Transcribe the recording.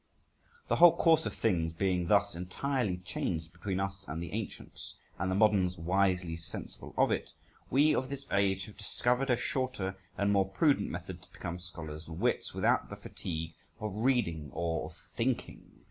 The whole course of things being thus entirely changed between us and the ancients, and the moderns wisely sensible of it, we of this age have discovered a shorter and more prudent method to become scholars and wits, without the fatigue of reading or of thinking.